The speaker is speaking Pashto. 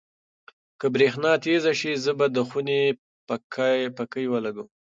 که برېښنا تېزه شي، زه به د خونې پکۍ لګوم.